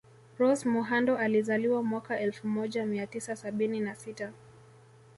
Rose Muhando alizaliwa mwaka elfu moja mia tisa sabini na sita